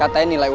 ta bita you